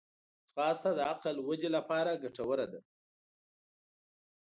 ځغاسته د عقل ودې لپاره ګټوره ده